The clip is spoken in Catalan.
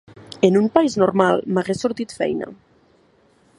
En un país normal, m’hagués sortit feina.